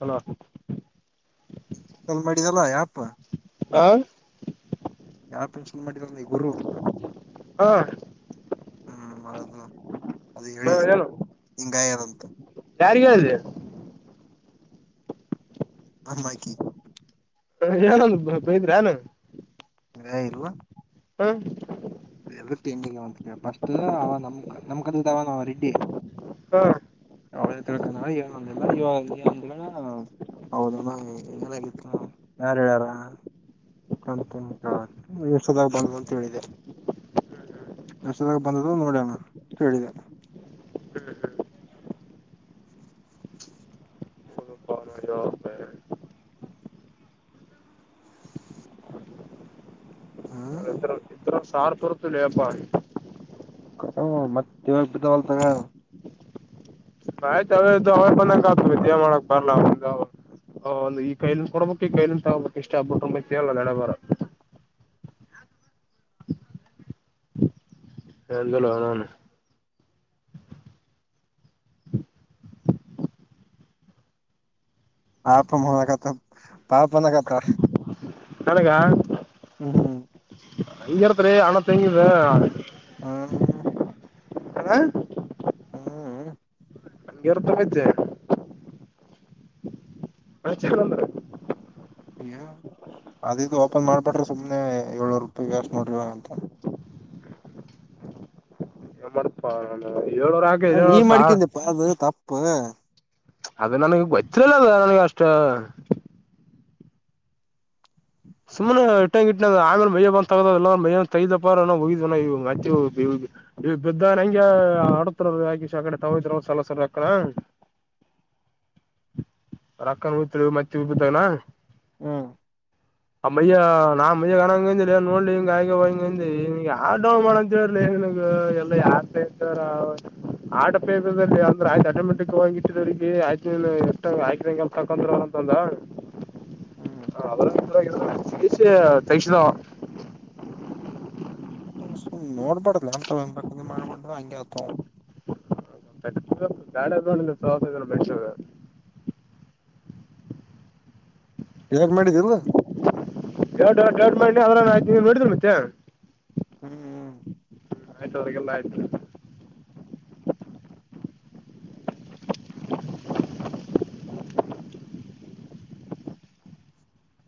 Hello call ಮಾಡಿದಲ್ಲ ಯಪ. ಹಾ ಯಾರ್ ಕನ್ಸಲ್ ಮಾಡಿದ ನೀ ಗುರು ಹಾ ಹ್ಮ್ ಮಾಡದು ಅದು ಹೇಳಿದೆ ಹಂಗಾಯದಂತ ಯಾರಿಗೆ ಹ ಬಾಕಿ ಹ ಏನ ಬೈದ್ರಾನ ವೇ ಇಲ್ವಾ ಹ್ಮ ಫಸ್ಟ್ ಅವ ನಮ ನಮ್ ಕದದಾವ ರೆಡಿ ಹಾ ಅವೇ ತಿಳ್ಕೊಂಡ ಏನು ಅಂದಿಲ್ಲ ಇವ ಈ ಅಂದಿಲ್ಲ ಹೌದಣ ನಲಾಗಿತ್ತು ಯಾರು ಹೇಳ್ಯಾರ ಚಂತಸದಾಗ ಬಂದ ಅಂತ ಹೇಳಿದೆ ಎಷ್ಟದಾಗ ಬಂದದ ನೋಡಣ ಹೇಳಿದೆ ಹ್ಮ ರ ಸಾರ್ಪುರುತ್ತು [inaudible] ಮತ್ತೆ ಇವಾಗ ಬಿದ್ದಾವಲ್ತಗ ಭಾಯ್ತದು ಅವವ ಬ ಕಾತ ಮಾಡಕ ಬಾರ್ಲಾವಾವ ಹ ಒಂದು ಈ ಕೈಲಲಿ ಕೊಡಬೇಕಕ್ ಈ ಕೈಲಿಂದ ತಗೋಬೇಕಕ್ ಇಷ್ಟ ಆಗ್ಬಿಟ್ಟುಂಬೈತಿಲ್ಲ ನಡ ಬಾರ ಹಲ್ಲ ನಾನ ಪಪಮ್ಮ ಹಲತ ಪಾಪ ಹಣಗತ ಹಳಗ ಹ್ಮ ಹ್ಮ ಹಂಗ ಇತರ ಆಣಾ ತೆಂಗಿದಿದೆ ಹ್ಮ ಹಾ ಹಾ ನನ್ಗೆರ್ ತಂಬೈತೆ ಚಂದ್ರ ಇಲ್ಲ ಅದು ಇದು ಓಪನ್ ಮಾಡ್ಬಟ್ರಿ ಸುಮ್ಮ್ನೆ ಏಳರು ರೂಪಾಯಿ ಅಷ್ಟು ನೋಡ್ರಿ ಅಂತ ಮಾಡಪಾ ನಾನು ಏಳ್ನೂರ ಹಾಕ ಹ ನೀವ ಸಾರ್ ಮಾಡ್ಕನ್ಪ್ಪ ಅದು ತಪ್ಪ ಅದು ನನಗೆ ಗೊತ್ತಿರಲ್ಲದ ನನಗ ಅಷ್ಟ ಸುಮ್ಮನೆ ಇಟ್ಟಂಗ ಇಟ್ಟ ಆಮೇಲೆ ಮೈ್ಯ ಬಂದ್ ತಗದಲ್ಲ ಮೈ ತೈದ್ದಪ್ಪಾರಗಿದ್ ಮೆ ಈ ಬಿದ್ದ ನ ಹೆಂಂಗ ಆಡ್ತಾರ ಯಾಕ ಶಕಡೆ ತಗೋದ್ರ ಸಲಸರ ಅಕಡ [inaudible] ರೊಕ್ಕನ್ ಬಿತ್ ಮತ್ತೆತವನ ಹ್ಮ ಅ ಬಯಾ ನಾ ಮಯ ಕಣಂಗಗೆಂದಿಲ್ಲ ನೋಡಿಲಿಗಾಯವಾಗಿಗೆ ಆಡೌನ್ ಮಾಡವರ್ಗೆ ಎಲ್ಲ ಯಾ ಆಟೋ ಪೇ ಅಂದ್ರೆ ಆ ಆಟೋಮೆಟಿಕ್ ಹಿರಿಗೆ ಆಯ್ತ ಎಷ್ಟಂಗ ಆಯ್ತಂಗಗೆ ತಕೊಂಡ್ರ ಅಂತಂದ ಸ ತೈಕ್ಷದ ನೋಡ್ಬಾರಡ್ ಅಂತ ಒ ಮಾಡ್ಕೊಂಡು ಹಂಗಗೆ ಆತ ಬಾಳ ಸವಾಸ ಬೆ ಕ್ ಮಾಡಿದಲ್ದ ಎಡ್ಡ್ ದಡ್ ಮಾಡ ಅವ ಆಯ್ ನೀ ನೋಡಿದ್ರ ಮತ್ತೆ ಹ್ಮ್ ಹ್ಮ ಹ ಆಯ್ತು ಅದಕ್ಕೆಲ್ಲ ಆಯ್ತು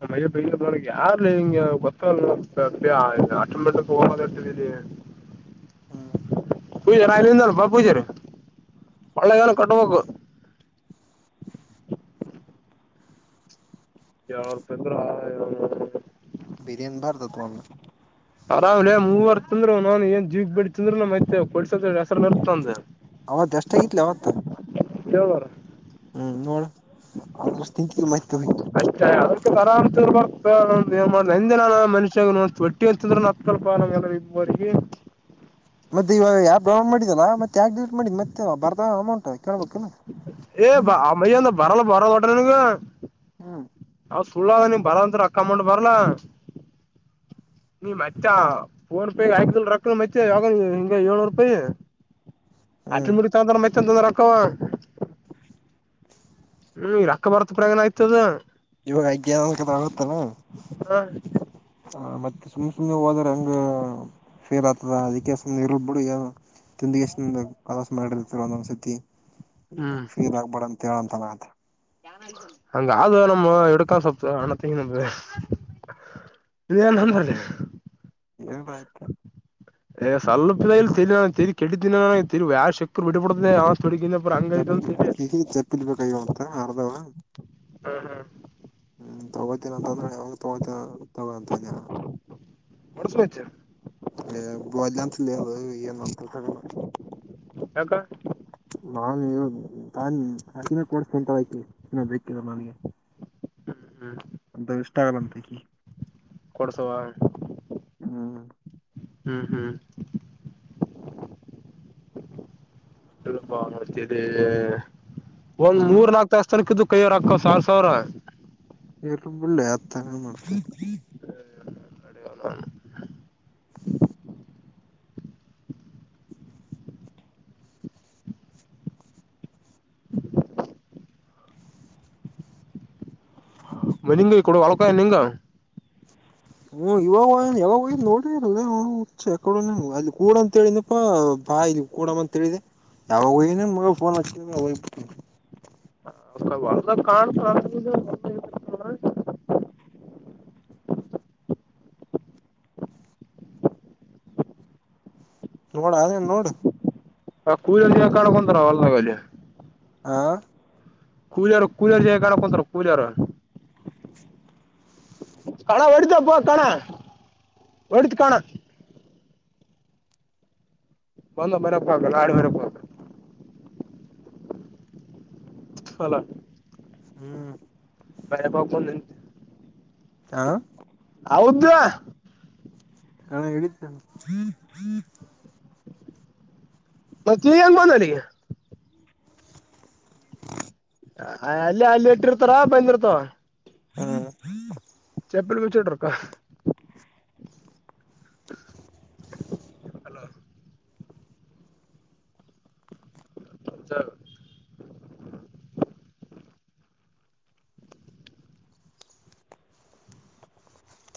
ಮೈ ಬೈ ಯಾರ್ಲ ಹಿಂಗ ಗೊತ್ತ ಅಟಟ್ಟ ಹೋಗ ಇರ್ತಿದೀ ಹ ಪೂಜಾರಲ್ಲಿದಲ್ ಬಾ ಪೂಜರು ಒಳ್ಳೆದನ ಕಟ್ಬೇಕು ಯಾವ ತ ಅಂದ್ರ ಬಿರಿಯಾನಿ ಭಾ್ದ ತು ಅಲೆ ಅರಾಮ್ ರೇ ಮೂವರ್ ತಿಂದಂದ್ರು ನಾನನ್ ಏನ್ ಜೀವಿಗ್ ಬಿಡಿ ತಿಂದ್ರ ನಮೈತೆ ಕೊಡ್ಸ ಹೆಸ್ರ ನಿರ್ತಂದ ಅವಾರ ದಷ್ಟಟೆಕಲವತ ಕೆವ ಬರ ಅದ್ರ ತಿಂಿ ಮ ಅತ ಯ ಆರಾಮ ಮಾಡಿನ ನ ಮನುಷ್ಯ ಒಟ್ಟಿ ಅಂತಂದ್ರಲ್ಪ ಅಗೆ ಮತ್ತೆ ಇವಾಗ ಯಾವ್ ಮಾಡಿದನಾ ಮತ್ತೆ ಯಾಕ ಡಿಸಟ್ ಮಾಡಿದ ಮತ್ತೆ ಬರ್ದಾವ ಅಮೌಂಟ್ ಕೇಳ್ಬೇಕಲ್ಲ ಏ ಬ ಮಯ್ಯಂದ ಬರಲ್ಲ ಬರಲ್ಲ ಹೊೋಟ್ರನ್ಗೆ ಹಾ ಅವ್ ಸುಳ್ಳ ಅದ ನೀ ಬರಂತ ಅಕ್ಕಮ್ಮಟ್ ಬರಲ ಹ ನೀ ಮತ್ತೆ ಫೋನ್ ರೂಪಾಯ ಆಯಲ್ ರಕ ಮತ್ತೆ ಯಾವಾಗ ಹಿಂಗ ಏಳ್ನೂರು ರೂಪಾಯಿ ಹ್ಮ್ ಆಟ್ರಿ ಮುಿ ಚಂದ್ರ ಮೈತಂತಂದ್ರ ಅಕ್ಕ ಹ್ಮ ಈ ರಕ್ಕ ಬರ್ತ್ ಪ್ರನ ಆಯ್ತದ ಇ ಆ ಒತ್ತ ಹ ಮತ್ತ ಸುಮ್ ಸುಮ್ಮನೆ ಹೋದ್ರ ಹಂಗ ಫೇರ್ ಆತದ ಅದಕ್ಕೆ ಸುಮ್ಮನೆ ಇರ್ಲ್ ಬಿಡುಏ ತಿಿಂದಿಗೆ ಎಷ್ಟುೊಂದು ಕಲಸ ಮಾಡಿರ್ತರೋ ಒಂದೊಂದ್ ಸತಿ ಫೀಲ್ ಆಗ್ಬೇಡ ಅಂತ ಹೇಳಂತಲ್ಲ ಅದು ಹಂಗಾದು ನಮ್ಮ ಎಡುಕ್ಕಾ ಸತ ಅಣತ್ತಗ ನಮಿದೆ ಬಿನ ಅಂದ್ರಿ ಏನ್ ಪ್ರ ಇತ್ತೆ ್ಲ್ಪಿಲ್ಲ ಇರಿ ನರಿ ಕೆಟ್ಟಿದ್ದಿನ ನ ತಿ ಯಾರ್ ಶಕರು ಬಿಬಡದೆೆ ಚಪ್ಪ ಚಪ್ಪಿಲ್ಬೇಕಾಗಿ ಅಂತ ಅರ್ದಾವ ಹ್ಮ್ ಹ್ಮ್ ಹ ತಗೋತನಿ ಅಂತಂದ್ರೆ ಅವಾಗ ತಗೋತೀನ ತಗ ಅಂತ ಕೊಡ್ಸು ಮಚ್ಚ ಬಯಲಂತ ಹ ಇ ನಷ್ಟಲ್ಲ ಯಕ್ಕ ನಾನು ಹಕಿನ ಕೊಡ್ಂತಕಿ ಬೇಕಿಲ್ಲ ನನಗೆ ಹ್ಮ್ ಹ್ಮ್ ಅಂತಷ್ಟ್ಟ ಬಂತತ ಕೊಡ್ಸವಾ ಹ್ಮ್ ಹ್ಮಂ ತುಂಬ ನಡ್ತಿದೆ ಒಂದ್ ಹಾ ಮೂರ್ ನಾಕ್ ತಸ್ತನಕಿದ್ದು ಕೈಯವರು ಹಾಕ್ಕ ಸಾವಾರ್ ಸಾವಿರ ಎಬಲ್ಲ ಆತ ಮಾಡ ಅಡೆಣ ಷೂ ಮ ನಿಂಗ ಈ ಕೂಡ ಒಳಕಾಯ ನಿಂಗ ಹ್ಮ ಇವಾಗ ಯಾವಾಗ ನೋಡ ಅಲ್ಲಿ ಕೂಡ ಅಂತ ಹೇಳನಪ್ಪಾ ಾ ಇದು ಕಡ ಮಂತ ಹೇಳಿದೆೆ ಯಾವಾಗೋಗ ಮೊೈಲ್ ಫೋನ್ ಹಾ ಹ ಕಾಣ ಷೂ ನೋಡ ಆದ ನೋಡು ಆ ಕೂಲ್ಲಿ ಯ ಕಡಕೊಂತಾರ ಅಲ್ಲಾಗಲ್ಲಿ ಆ ಕೂಲಿಯರು ಕೂಲಿಯರು ಜ ಕಡಕ್ೊಂತಾರ ಕೂಲಿಯಾರ ಕಣ ಒಡತ ಕಣ ಒಡತ ಕಣ ಒಂದೊ ಮರಪ್ಪ ಆಗಲ್ಲ ಆಡು ಮರೆಪ ಹಾಗಲ್ಲ ಹಲೋ ಹೂ ಮಳೆ ಪಕ್ಕಂದ ಆ ಹೌದವಾ ಅಣ್ಣ ಇಳಿತೀನಿ ಅಣ್ಣ ಮತ್ತೆ ನೀ ಹೆಂಗ ಬಂದಲ್ಲಿಿಗೆ ಅಲ್ಲಿೇ ಅಲ್ಲಿ ಇಟ್ಟಿರ್ತಾರ ಬಂದಿರ್ತವ ಹ ಚಪ್ಪಿಲ್ ಬಿಚ್ಚಟ್ಟರುಕ್ಕಾ ಹಲೋ ಜ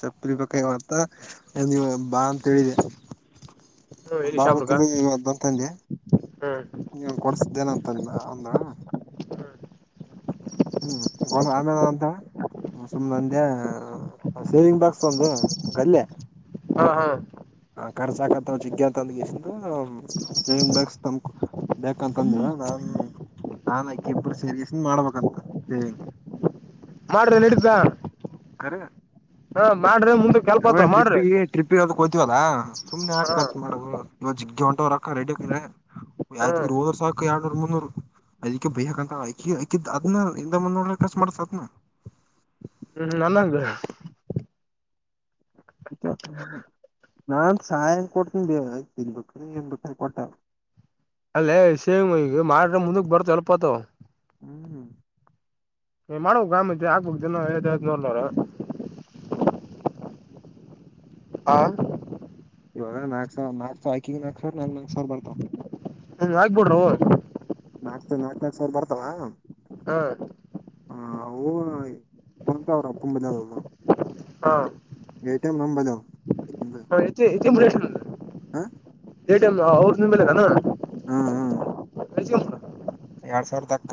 ಚಪ್ಪಲಿ ಬೇಕಾಗ್ಯವಂತ ನೀವು ಬಾ ಅಂತೇಳಿದೆ ಹ್ಮ್ ಇಲ್ಲಿ ಬಾರ ಶಾಪುರ್ಕ ಬಕಿಲ ತಲ್ಲಿ ಹ್ಮ್ ನೀ ಕೊಡ್ಸ್ದೇನ ಅಂತಂದು ಅಂದ ಹೂ ಆಮೇಲೆ ಅಂತ ಸುಮ್ನೆಂದೇ ಶೇವಿಂಗ್ ಬಾಕ್ಸ್ ಒಂದು ಗಲ್ಲೆ ಹಾ ಹಾ ಹ ರ್ಚ ಹಾಕತ್ ಚಿಗ್ಗತ ಅಲ್ಲಿಸ ಸೇವಿಂಗ್ ಬ್ಯಾಗ್ಸ್ ತ ಬ್ಯಾ ಅಂತಂದ ಹ ಹ ನಾನಾಕ್ಕಿಬ್ಬರು ಸೇರಿನ್ ಮಾಡ್ಬೇಕಂತ ಸೇವೆಂಗ ಮಾಡ್ರೆ ನಿಡತಾ ಕರೆ ಹೂ ಮಾಡ್ ಯಾವೇನ್ ಟ್ರಿಪ್ಪಿಗೆ ಟ್ರಿಪ್ಿ ಇರ ಕೋತಿವಲ್ಲ ಸುಮ್ನೆ ಹ ಯಾಕ್ ಖರ್ಚ್ ಮಾಡೋದು ಜಗ್ಗಿ ಅವರಕ್ಕಾ ರೆಡಿ ಆ ಹ್ಮ ಯಾದಗಿರಿ ವರ್ಷ ಯು ಇ ಮುನ್ನೂರು ಅದಕ್ಕೆ ಬೈ ಹಾಕಂತ ಆಕಿ ಆಕಿದ್ ಅದ್ನ ಇಂದ ಮುನ್ನೂರಾ ಖರ್ಚು ಮಾಡ್ತ ಅದ್ ಹ ಹ ನನ್ನಂಗ ಇ ಹ ನಾನ್ ಸಹಾಯಂ ಕೊಡ್ತೀನಿ ಬಯ ತಿನ್ಬಿಟ್ಟ ಎನ್್ಬಿಟ್ಟ ಕೊಟ್ಟ ಅಲ್ಲೇ ಸೇಮ್ ಈಗ ಮಾಡ್ರ ಮುಂದಕ್ ಬರ್ತ್ ಅಲ್ಪತ ಹೂ ಹೂ ಏ ಮಾಡ್ು ಆಮತ್ ಆಗ್ಬ ದಿನ ನೋಡ್ಲಾರ ಹಾ ಇವಾಗಕ್ಕಂಗ್ ನಕ್ರ್ ನ ನಕ್ ಸರ್ ಬರ್ತ ಹಾಕಿ ಬಿಡ್ರೋ ನಾಕಕ್ು ನಾಕಕ್ ನನಾಕಕ್ ಸಾವಿರ ಬರ್ತಾವ ಹಾ ಹಾ ಅವು ಅವರ ಅಪ್ಪಂಬಂದದ ಹಾ ಎಟಿಎಂ ನಾಮ್ ಬಲಿಹವ ಹೇಶ ಹಾ ೇ ಟೈಮ್ ಅವ್ರ ನಿಮ್ಮ ಮೇಲೆ ಕನ ಹೂ ಹೂ ಕ ಎರಡ್ ಸಾವಿರತಕ್ಕ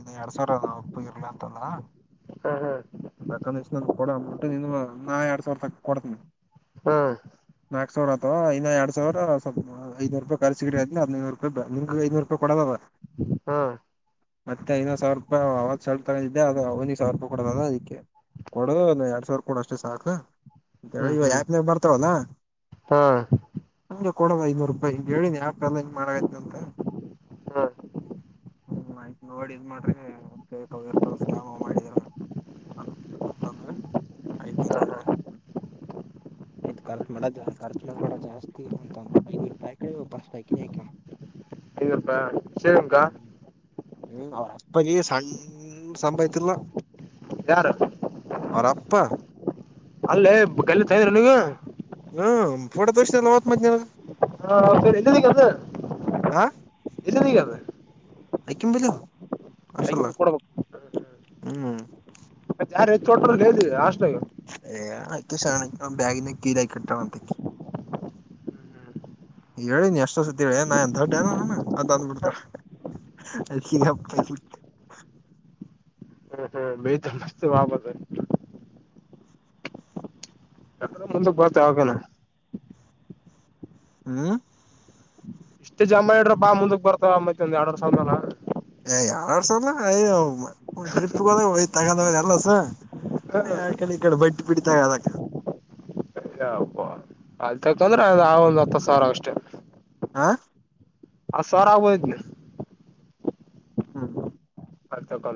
ಇದು ಎರಡ್ ಸಾವಿರ ನಾಮ್ ಅಪ್ಪ ಇರ್ಲಿ ಅಂದಲ್ಲ ತಕಂದ ಇಷ್ಟ ನನ್ ಕೊಡ ಅಮೌಂಟ್ ನಿನು ನಾ ಎರಡ್ ಸಾವಿರ ತ ಕೊಡ್ತನ ಹಾ ನಾಕಕ್ ಸಾವರ ಅವಾ ಇ ಎರ ಸಾವರವಪಐನೂ ರೂಪಾಯ ಕರ್ಸಿ ಅ್ರ ಹದನೂರು ರೂಾಯಿ ನಿಂಗ ಐೂರು ರೂಪಾಯ ಕೊಡೋ ಬರ್ ಹಾ ಮತ್ತೆ ಐನಾರ್ ಸಾವಿರ ರೂಪಾಯಿ ಅವಾಗತ್ತು ಸಲ್ ತಗೊಂಡಿದ್ದೆ ಅದು ಅವನಿಗೆ ಸಾವರ ರೂಪಾಯಿ ಕೊಡದ ಅದಕ್ಕೆ ಕೊಡು ಎರಡ್ ಸಾವಿರ ಕೊಡ ಅಷ್ಟೇ ಸಾಕುಿ ಹ್ಮ್ ಇವ ಹ್ಮ್ ಆಪ್ನಾಗ ಬರ್ತಾವಲ್ಲ ಹ್ಮ್ ನಂಗೆ ಕೊಡೋದ ಐನೂರು ರೂಪಾಯಿ ಹಿಂಗೆ ಹೇಳನಿ ಆಪ್ೆಲ್ಲ ಇಂಗನ್ ಮಾಡೈತನ ಅಂತೆ ಹ್ಮ್ ಹ್ಮ ಆಯ್ತ್ು ನೋಡಿ ಇದ್ ಮಾಡ್ರಿ ಸೇಕ್ ಇರ್ತಾರ ಸ್ಕ್ಯಾಮ್ ಮಾಡಿದರ ಹ ಹಂದ್ರೆ ಐ್ತ ಹತಜ ಆಯ್ತು ರ್ು ಮಾಡೋ ಖರ್ಚು ಮಾಡಬೇಡ ಜಾಸ್ತಿ ಅಂತ ಐನೂರು ರೂಪಾಯಿ ಪಾಸ್ ಆಕಿನಿ ಆಯ್ ಹಗಪ್ಪ ಸರಿನಕಾ ಹ್ಮ ಅಪ್ಪನ ಸಣ್ಣ ಸಂಭವತ್ಲ್ಲ ಯಾರು ಅವರ ಅಪ್ಪಾ ಅಲ್ಲೇ ಕಲ್ಲಿ ತ ಇದ್ರ ನೀವು ಹ್ಮ್ಫೋಟೋ ತೋರಿಸಲ್ಲ ಮ ಹಾ ಇದು ಕದ ಇಜ ಕ ಕ್ಕಿಮ ಬ ಅ ಕೊಡ್ಬೇಕು ಹ್ಮ ಮತ್ತೆ ಯಾರ ಚೋಟ್ರ್ವಿ ಅಷ್ಟ ಏ ಆ ಶ ಬಗಿನ ಕೀದಾಗಿ ಕಟ್ಟಣ ಅಂತ ಹೇಳಿ ನೀ ಎಷ್ಟ ಅಸತಿ ಹೇಳಿ ನಾ ಎಏನ್ ದೊಡ್ಡ ಅನ ನಾನ ಅದ ಅಂದ್ಬ ಬಿಡ್ತಾರ ಅಗ ಬತ ಮಸ್ತ ವಪ ಮುಂದ ಬತ್ ಆಾಗಣ ಹ್ಮ್ ಇಷ್ಟೇ ಜಮಾ ಇಡ್ರ ಬಾ ಮುಂದಕ್ ಬರ್ತವ ಅಮ್ಮ ಒಂದ ಎಡ ಸಂದನ ಯ ಎರಡ್ ಸಲ ಅಯ್ಯ ಟ್ರಿಪ್ಗೆದಾಗಯ ತಗೊಂಡ ಎಲ್ಲಸ ಯಕಡೆ ಈ ಕಡೆ ಬಟ್ಟಿ ಪಿಡಿತಾದಕಡೆ ಹಬ ಅಲ್ತಕಂದ್ರೆ ಅ ಆ ಒಂದ್ ಹತ್ತು ಸಾವಿರ ಅಷ್ಟೇ ಆ ಹಸ ಸಾವಿರ ಆಗುಬುಹು ದ್ಲಾ ಹ್ಮ ಹ ತಕ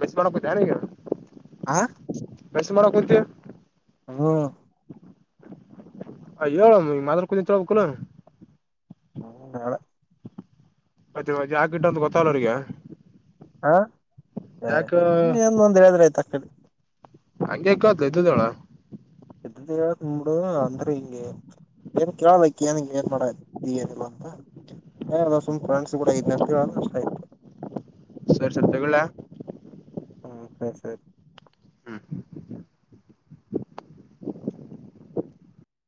ಮಿಸ್ ಮಾಡ್ಕೋತಿ ಏನೂ ಈಗ ಆ ಮಸ ಮಾಡ ಕುಂತೀವಿ ಹ್ಮ ಅ ಹೇಳ ಮಾದರ್ ಕುಂದತ್ಳ್ಬೇಕಲ ಹ್ಮ ನಾಳೆ ಮತ್ತೆ ಮತ್ತೆ ಹಾಕಿಟ್ಟ ಒಂದು ಗೊತ್ತಲ್ಲ ಅವ್ರಗ ಹಾ ಸುಮ್ಮನೆ ನ್ ಒಂದ್ ಹೇಳಿದ್ರೆ ಆಯ್ತ ಕೇಳಿ ಹಂಗೆಕದ ಇದ್ದದೋಳ ಇದ್ದದು ಹೇಳತೀನಿ ಬಿಡು ಅಂದ್ರೆ ಹಿಂಗೇ ಏನ್ ಕೇಳದಕ್ಕೆ ಏನ ಏನ್ ಮಾಡ ಏನಿಲ್ಲ ಅಂತ ಏ ಸುಮ್ ಫ್ರೆಂಡ್ಸ್ ಕೂಡ ಇದನಿ ಅಂತ ಹೇಳಲ್ಲ ಸಹಿ [inaudible] ಸರ್ ಸರ್ ತಗೊಲ್ಯ ಹ್ಮ ಸರಿ ಸರಿ